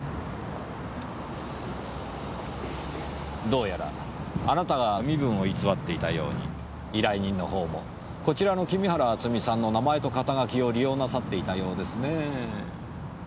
どうやらあなたが身分を偽っていたように依頼人のほうもこちらの君原敦美さんの名前と肩書きを利用なさっていたようですねぇ。